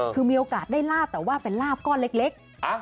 คือมีโอกาสได้ลาบแต่ว่าเป็นลาบก้อนเล็ก